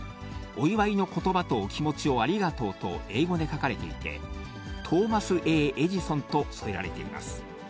お祝いのことばとお気持ちをありがとうと英語で書かれていて、トーマス・Ａ・エジソンと添えられています。